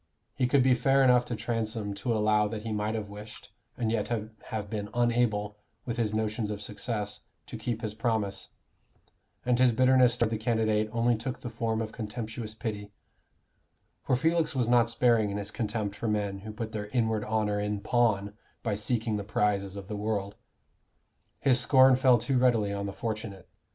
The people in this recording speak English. He could be fair enough to Transome to allow that he might have wished, and yet have been unable, with his notions of success, to keep his promise; and his bitterness toward the candidate only took the form of contemptuous pity; for Felix was not sparing in his contempt for men who put their inward honor in pawn by seeking the prizes of the world. His scorn fell too readily on the fortunate.